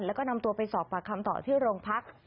แล้วก็นำตัวไปสอบปากคำต่อที่โรงพัก